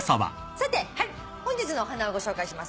さて本日のお花をご紹介します。